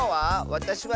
「わたしは」。